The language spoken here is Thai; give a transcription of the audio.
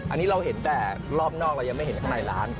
อันนี้เราเห็นแต่รอบนอกเรายังไม่เห็นข้างในร้าน